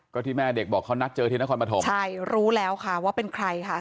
ก็ที่แม่เด็กบอกเขานัดเจอที่นครปฐมใช่รู้แล้วค่ะว่าเป็นใครค่ะ